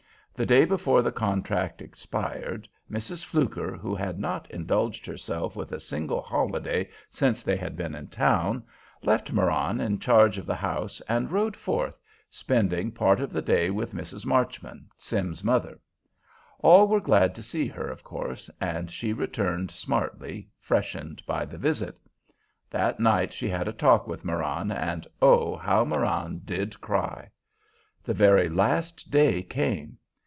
The day before the contract expired Mrs. Fluker, who had not indulged herself with a single holiday since they had been in town, left Marann in charge of the house, and rode forth, spending part of the day with Mrs. Marchman, Sim's mother. All were glad to see her, of course, and she returned smartly, freshened by the visit. That night she had a talk with Marann, and oh, how Marann did cry! The very last day came.